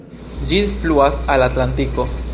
Ĝi fluas al Atlantiko.